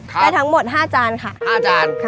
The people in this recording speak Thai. ได้ทั้งหมด๕จานค่ะ๕จาน